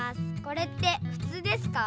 これってふつうですか？